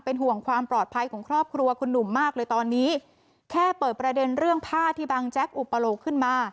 ห่วงความปลอดภัยของครอบครัวคุณหนุ่มมากเลยตอนนี้แค่เปิดประเด็นเรื่องผ้าที่บางแจ๊กอุปโลกขึ้นมา